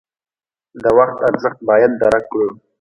د وخت ارزښت باید درک کړو.